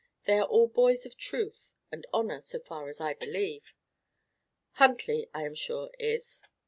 They are all boys of truth and honour, so far as I believe. Huntley, I am sure, is."